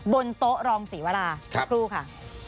บนโต๊ะรองศรีวราสักครู่ค่ะ